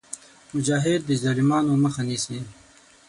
مجاهد د ظالمانو مخه نیسي.